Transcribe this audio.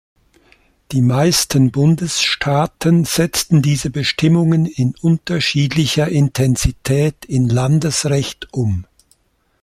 Die meisten Bundesstaaten setzten diese Bestimmungen in unterschiedlicher Intensität in Landesrecht um.